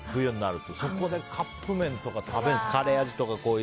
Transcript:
そこでカップ麺とか食べるんです。